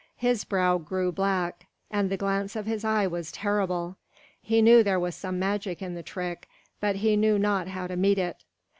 His brow grew black, and the glance of his eye was terrible. He knew there was some magic in the trick, but he knew not how to meet it.